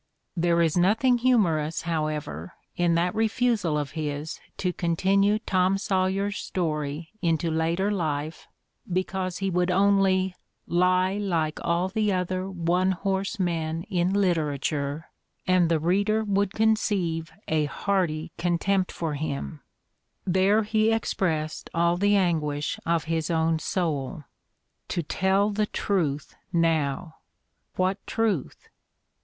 There is nothing humorous, however, in that refusal of his to continue Tom Sawyer's story into later life because he would only "lie like all the other one horse men in literature and the reader would conceive a hearty con tempt for him": there he expressed all the anguish of his own soul. To tell the truth now! What truth?